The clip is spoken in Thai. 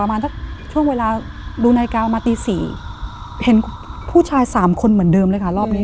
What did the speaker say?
ประมาณสักช่วงเวลาดูนาฬิกามาตี๔เห็นผู้ชายสามคนเหมือนเดิมเลยค่ะรอบนี้